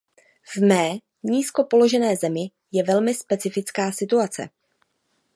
V mé nízko položené zemi je velmi specifická situace.